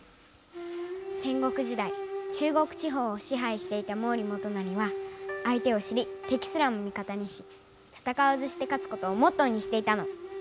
戦国時代中国地方をしはいしていた毛利元就はあい手を知りてきすらもみ方にしたたかわずしてかつことをモットーにしていたの。